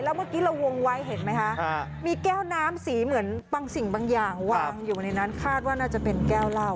เมื่อกี้เราวงไว้เห็นไหมคะมีแก้วน้ำสีเหมือนบางสิ่งบางอย่างวางอยู่ในนั้นคาดว่าน่าจะเป็นแก้วเหล้า